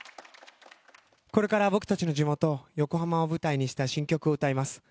これから僕たちの地元・横浜を舞台にした新曲を歌います。